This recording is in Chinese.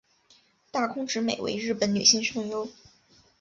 大空直美为日本女性声优。